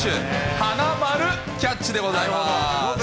花丸キャッチでございます。